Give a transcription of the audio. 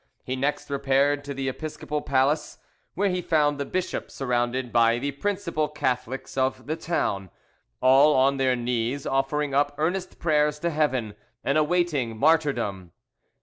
He next repaired to the episcopal palace, where he found the bishop surrounded by the principal Catholics of the town, all on their knees offering up earnest prayers to Heaven, and awaiting martyrdom.